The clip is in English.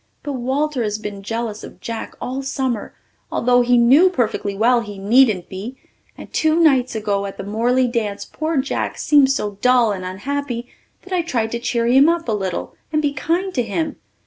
But Walter has been jealous of Jack all summer, although he knew perfectly well he needn't be, and two nights ago at the Morley dance poor Jack seemed so dull and unhappy that I tried to cheer him up a little and be kind to him.